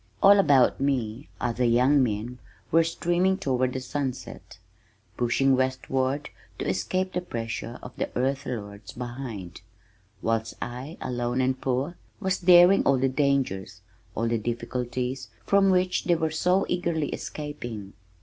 All about me other young men were streaming toward the sunset, pushing westward to escape the pressure of the earth lords behind, whilst I alone and poor, was daring all the dangers, all the difficulties from which they were so eagerly escaping.